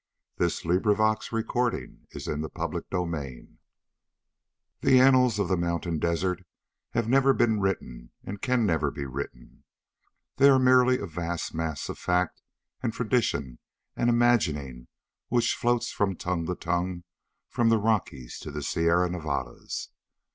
"Oh, dad," she groaned. "You've broken my heart." CHAPTER 12 The annals of the mountain desert have never been written and can never be written. They are merely a vast mass of fact and tradition and imagining which floats from tongue to tongue from the Rockies to the Sierra Nevadas.